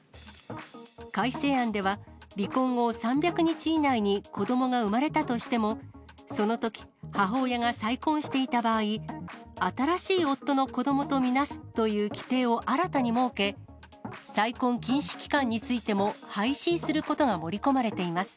改正案では、離婚後３００日以内に子どもが産まれたとしても、そのとき、母親が再婚していた場合、新しい夫の子どもと見なすという規定を新たに設け、再婚禁止期間についても廃止することが盛り込まれています。